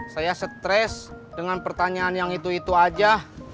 saya stres dengan pertanyaan yang itu itu aja